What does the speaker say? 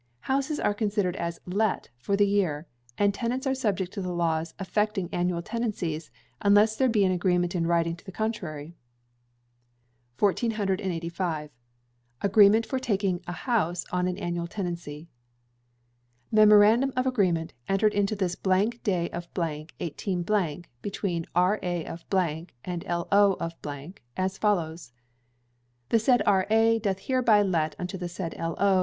Houses are considered as let for the year, and the tenants are subject to the laws affecting annual tenancies, unless there be an agreement in writing to the contrary. 1485. Agreement for taking a House on an Annual Tenancy. Memorandum of Agreement, entered into this day of 18 , between R.A., of , and L.O., of of , as follows: The said R.A. doth hereby let unto the said L.O.